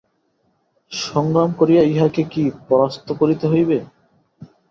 সংগ্রাম করিয়া ইহাকে কি পরাস্ত করিতে হইবে?